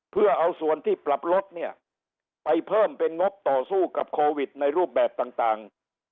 เพื่อเอาส่วนที่ปรับลดเนี่ยไปเพิ่มเป็นงบต่อสู้กับโควิดในรูปแบบต่าง